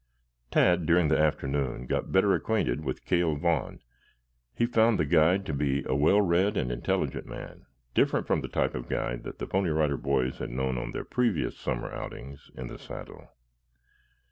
Tad, during the afternoon, got better acquainted with Cale Vaughn. He found the guide to be a well read and intelligent man, different from the type of guide that the Pony Rider Boys had known on their previous summer outings in the saddle.